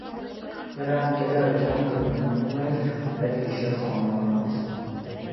Նրա ընկերը այդ ժամանակ գտնվում էր մեր հիշած ամառանացում.